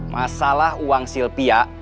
masalah uang silpia